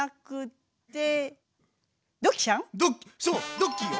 ドッキーよ。